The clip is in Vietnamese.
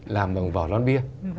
làm bằng vỏ lon bia